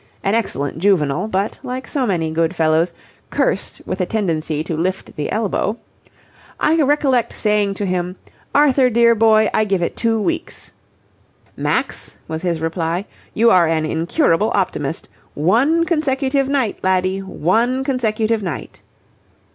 An excellent juvenile, but, like so many good fellows, cursed with a tendency to lift the elbow I recollect saying to him 'Arthur, dear boy, I give it two weeks.' 'Max,' was his reply, 'you are an incurable optimist. One consecutive night, laddie, one consecutive night.'